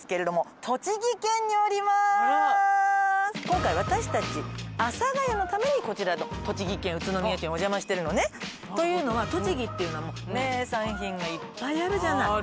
今回私たち阿佐ヶ谷のためにこちらの栃木県宇都宮市にお邪魔してるのね。というのは栃木っていうのはもう名産品がいっぱいあるじゃない。